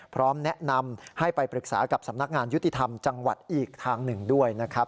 พร้อมแนะนำให้ไปปรึกษากับสำนักงานยุติธรรมจังหวัดอีกทางหนึ่งด้วยนะครับ